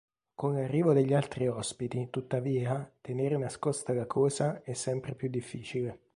Con l'arrivo degli altri ospiti, tuttavia, tenere nascosta la cosa è sempre più difficile.